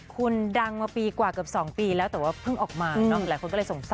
คุณดังมาปีกว่าเกือบ๒ปีแล้วแต่ว่าเพิ่งออกมาหลายคนก็เลยสงสัย